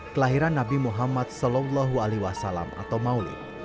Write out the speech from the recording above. kelahiran nabi muhammad saw atau maulid